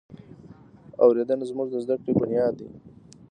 اورېدنه زموږ د زده کړې بنیاد دی.